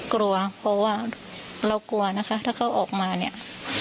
กลัวเพราะว่าเรากลัวนะคะถ้าเขาออกมาเนี่ย